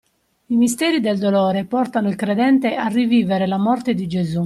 I misteri del dolore portano il credente a rivivere la morte di Gesù